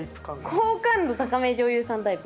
「好感度高め女優さんタイプ」。